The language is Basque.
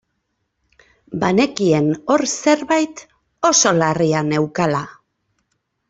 Banekien hor zerbait oso larria neukala.